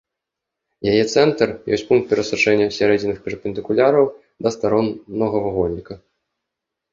Яе цэнтр ёсць пункт перасячэння сярэдзінных перпендыкуляраў да старон многавугольніка.